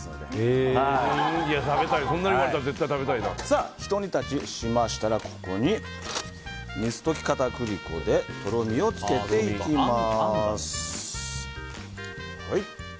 そんなに言われたらひと煮立ちしましたらここに水溶き片栗粉でとろみをつけていきます。